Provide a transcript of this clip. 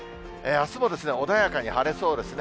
あすも穏やかに晴れそうですね。